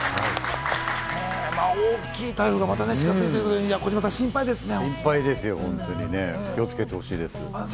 大きい台風がまたね、近づいてきて、児嶋さん心配ですね。